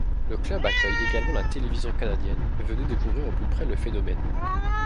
Le club accueille également la télévision canadienne, venue découvrir au plus près le phénomène.